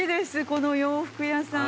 この洋服屋さん。